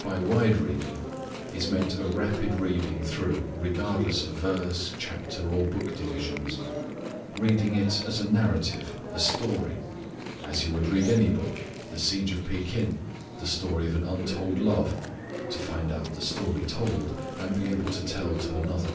By wide reading is meant a rapid reading through regardless of verse, chapter, or book divisions. Reading it as a narrative, a story. As you would read any book, "The Siege of Pekin," "The Story of an Untold Love," to find out the story told, and be able to tell to another.